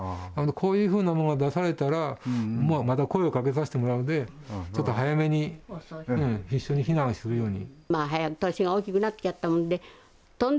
こういうふうなものが出されたらまた声をかけさせてもらうんで早めに一緒に避難するように。